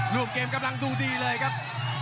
ร่วมเกมกำลังดูดีเลยครับ